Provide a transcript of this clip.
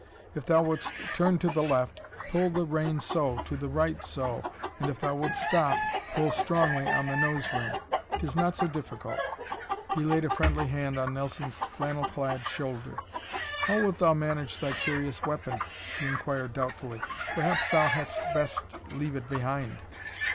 If thou wouldst turn to the left, pull the rein so, to the right so, and if thou wouldst stop, pull strongly on the nose ring; 'tis not so difficult." He laid a friendly hand on Nelson's flannel clad shoulder. "How wilt thou manage thy curious weapon?" he inquired doubtfully. "Perhaps thou hadst best leave it behind."